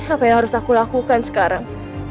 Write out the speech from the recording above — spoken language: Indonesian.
apa yang harus aku lakukan sekarang